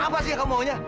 apa sih yang kamu maunya